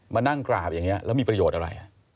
มานั่งกราบอย่างนี้แล้วมีประโยชน์อะไร